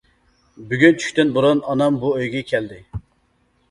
بۈگۈن چۈشتىن بۇرۇن ئانام بۇ ئۆيگە كەلدى.